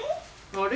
あれ？